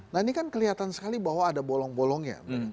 nah ini kan kelihatan sekali bahwa ada bolong bolongnya